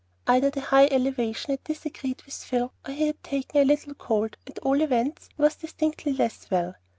Either the high elevation had disagreed with Phil, or he had taken a little cold; at all events, he was distinctly less well.